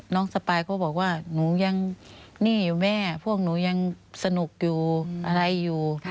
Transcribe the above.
สปายก็บอกว่าหนูยังนี่อยู่แม่พวกหนูยังสนุกอยู่อะไรอยู่